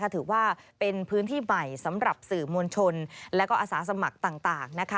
ถือว่าเป็นพื้นที่ใหม่สำหรับสื่อมวลชนและอาสาสมัครต่าง